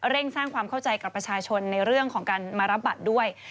สร้างความเข้าใจกับประชาชนในเรื่องของการมารับบัตรด้วย